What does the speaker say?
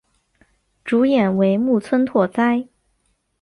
主演为木村拓哉。